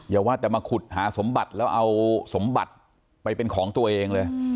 อย่าว่าแต่มาขุดหาสมบัติแล้วเอาสมบัติไปเป็นของตัวเองเลย